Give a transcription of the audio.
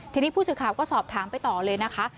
ทีนี้ผู้สื่อข่าวก็สอบถามไปต่อเลยนะคะ